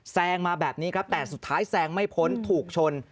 แซงมาแบบนี้ครับแต่สุดท้ายแซงไม่พ้นถูกชน